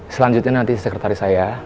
selanjutnya nanti sekretari saya